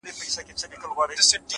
د زړه صفا د روح ښکلا ده’